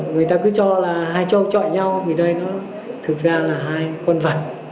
người ta cứ cho là hai châu chọi nhau vì đây nó thực ra là hai con vật